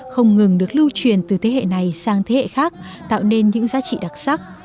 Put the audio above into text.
không ngừng được lưu truyền từ thế hệ này sang thế hệ khác tạo nên những giá trị đặc sắc